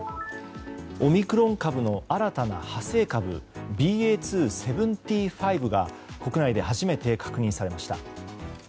オミクロン株の新たな派生株ＢＡ．２．７５が国内で初めて確認されました。